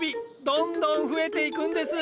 どんどん増えていくんです。